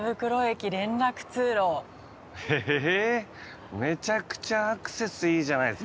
へえ。